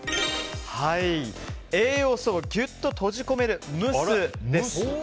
栄養素をギュッと閉じ込める蒸すです。